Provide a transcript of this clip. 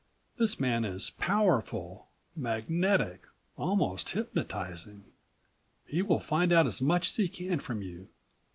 This man is powerful, magnetic, almost hypnotizing. He will find out as much as he can from you.